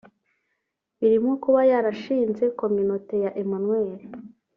birimo kuba yarashinze Communaute ya Emmanuel